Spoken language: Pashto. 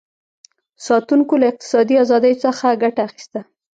ساتونکو له اقتصادي ازادیو څخه ګټه اخیسته.